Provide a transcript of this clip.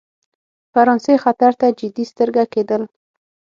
فرانسې خطر ته جدي سترګه کېدل.